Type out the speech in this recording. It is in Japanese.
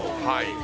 はい。